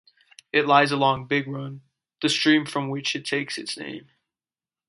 It lies along Big Run, the stream from which it takes its name.